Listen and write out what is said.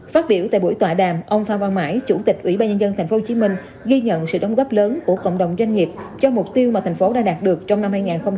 phát biểu tại buổi tòa đàm ông phạm hoàng mãi chủ tịch ủy ban nhân dân tp hcm ghi nhận sự đóng góp lớn của cộng đồng doanh nghiệp cho mục tiêu mà tp hcm đã đạt được trong năm hai nghìn hai mươi hai